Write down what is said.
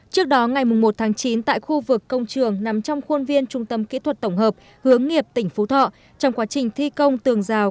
trước đó ngày một tháng chín tại khu vực công trường nằm trong khuôn viên trung tâm kỹ thuật tổng hợp hướng nghiệp tỉnh phú thọ trong quá trình thi công tường rào